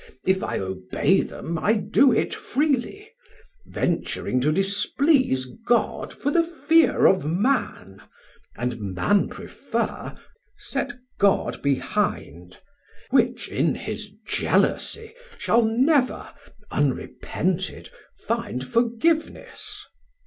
If I obey them, I do it freely; venturing to displease God for the fear of Man, and Man prefer, Set God behind: which in his jealousie Shall never, unrepented, find forgiveness.